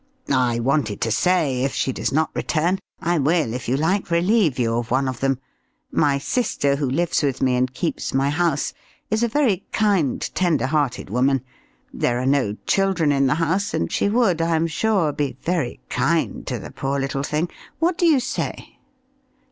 "I wanted to say, if she does not return, I will, if you like, relieve you of one of them. My sister, who lives with me, and keeps my house, is a very kind, tender hearted woman. There are no children in the house, and she would, I am sure, be very kind to the poor little thing. What do you say?"